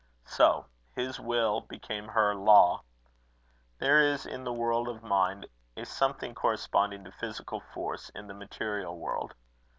"So his will became her law. There is in the world of mind a something corresponding to physical force in the material world.